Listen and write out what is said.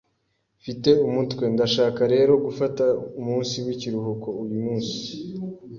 Mfite umutwe, ndashaka rero gufata umunsi w'ikiruhuko uyu munsi.